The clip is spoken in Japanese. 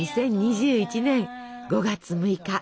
２０２１年５月６日。